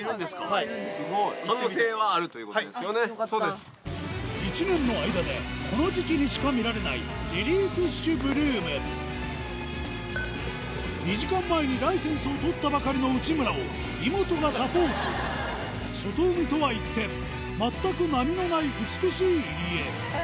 はいそうです。１年の間でこの時期にしか見られないジェリーフィッシュブルーム２時間前にライセンスを取ったばかりの内村をイモトがサポート外海とは一転全く波のない美しい入り江